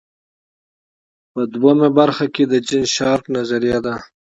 په دویمه برخه کې د جین شارپ نظریه ده.